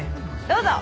どうぞ。